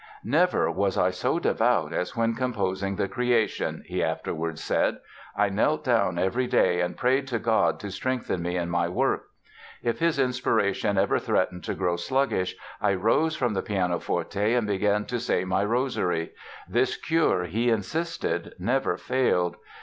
"Never was I so devout as when composing 'The Creation'" he afterwards said. "I knelt down every day and prayed to God to strengthen me in my work." If his inspiration ever threatened to grow sluggish "I rose from the pianoforte and began to say my rosary". This cure, he insisted, never failed.